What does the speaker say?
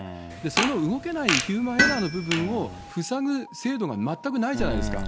その動けない、ヒューマンエラーの部分をふさぐ制度が全くないじゃないですか。